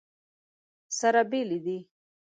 سره بېلې دي.